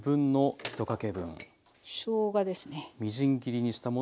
しょうがですね。